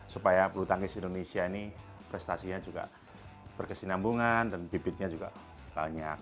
supaya bulu tangkis indonesia ini prestasinya juga berkesinambungan dan bibitnya juga banyak